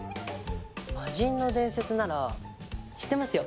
魔人の伝説なら知ってますよ。